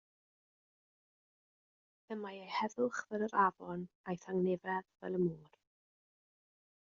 Y mae ei heddwch fel yr afon, a'i thangnefedd fel y môr.